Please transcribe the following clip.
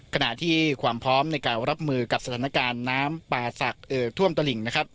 ขณะที่ความพร้อมในการรับมือกับสถานการณ์น้ำป่าศักดิ์ท่วมตลิ่งนะครับ